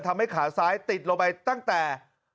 ทำให้ขาซ้ายติดลงไปตั้งแต่